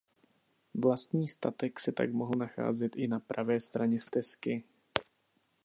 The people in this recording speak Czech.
Vlastní statek se tak mohl nacházet i na pravé straně stezky.